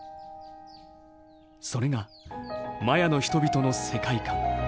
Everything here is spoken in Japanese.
それがマヤの人々の世界観。